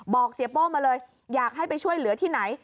เสียโป้มาเลยอยากให้ไปช่วยเหลือที่ไหน